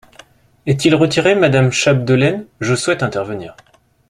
Est-il retiré, madame Chapdelaine ? Je souhaite intervenir.